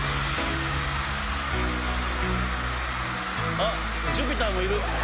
あっ、ジュピターもいる。